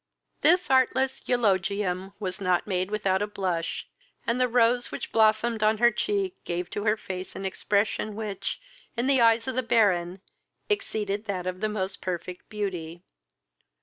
This artless eulogium was not made without a blush, and the rose which blossomed on her cheek gave to her face an expression which, in the eyes of the Baron, exceeded that of the most perfect beauty.